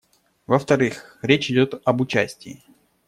Во-вторых, речь идет об участии.